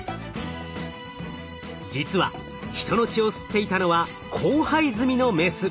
実は人の血を吸っていたのは交配済みのメス。